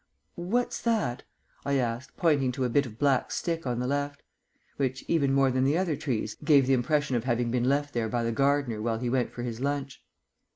"What's that?" I asked, pointing to a bit of black stick on the left; which, even more than the other trees, gave the impression of having been left there by the gardener while he went for his lunch.